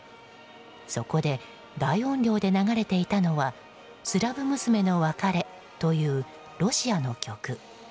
そこで大音量で流れていたのは「スラブ娘の別れ」というロシアの曲。